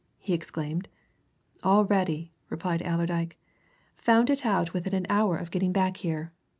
he exclaimed. "Already!" replied Allerdyke. "Found it out within an hour of getting back in here.